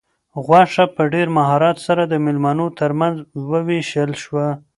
غوښه په ډېر مهارت سره د مېلمنو تر منځ وویشل شوه.